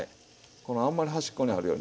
このあんまり端っこにあるよりね